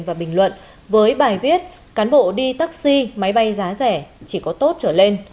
với bài viết cán bộ đi taxi máy bay giá rẻ chỉ có tốt trở lên